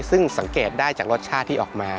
ซึ่งสังเกตได้จากรสชาติที่ออกมา